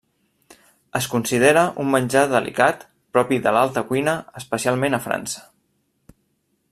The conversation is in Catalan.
Es considera un menjar delicat propi de l'alta cuina especialment a França.